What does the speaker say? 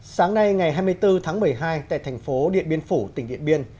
sáng nay ngày hai mươi bốn tháng một mươi hai tại thành phố điện biên phủ tỉnh điện biên